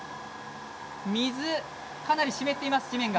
水でかなり湿っています、地面が。